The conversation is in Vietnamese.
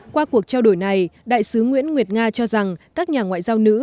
qua cuộc trao đổi này đại sứ nguyễn nguyệt nga cho rằng các nhà ngoại giao nữ